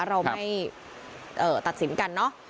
เราไม่ตัดสินกันเนอะ